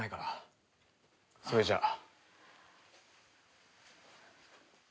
それじゃあ。